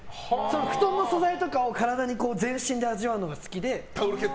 布団の素材とかを体で全身で味わうのが好きで。